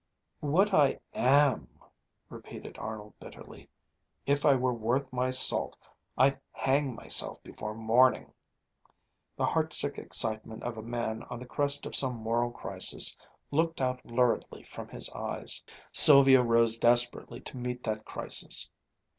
"What I am," repeated Arnold bitterly. "If I were worth my salt I'd hang myself before morning!" The heartsick excitement of a man on the crest of some moral crisis looked out luridly from his eyes. Sylvia rose desperately to meet that crisis.